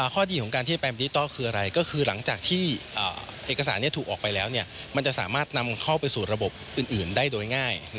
ข้อดีของการที่จะไปดิจิทัลคืออะไรก็คือหลังจากที่เอกสารนี้ถูกออกไปแล้วมันจะสามารถนำเข้าไปสู่ระบบอื่นได้โดยง่าย